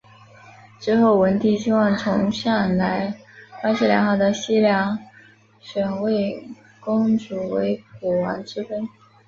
之后文帝希望从向来关系良好的西梁选位公主为晋王之妃。